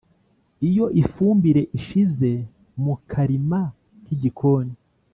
iyo ifumbire ishize mukarima k’igikoni